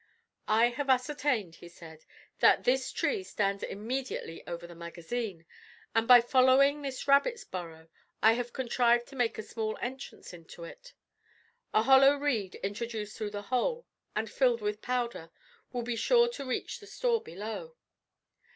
"I have ascertained," he said, "that this tree stands immediately over the magazine; and by following this rabbit's burrow, I have contrived to make a small entrance into it. A hollow reed introduced through the hole, and filled with powder, will be sure to reach the store below."